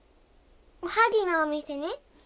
おはぎのお店に？